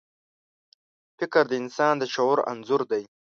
فکر د انسان د شعور انځور دی.